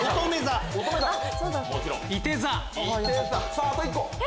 さぁあと１個！